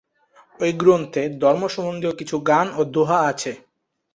ওই গ্রন্থে ধর্ম সম্বন্ধীয় কিছু গান ও দোহা আছে।